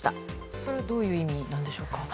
それはどういう意味なんでしょうか。